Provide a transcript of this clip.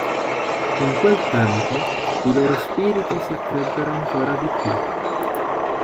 In quel tempo, i loro spiriti si accrebbero ancora di più.